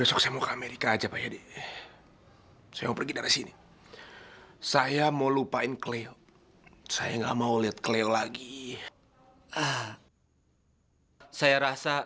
sampai jumpa di video selanjutnya